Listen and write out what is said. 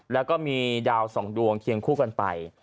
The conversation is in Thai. แล้วก็มีดาวสองดวงเคียงคู่กันไป